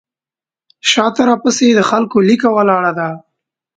شاته راپسې د خلکو لیکه ولاړه ده.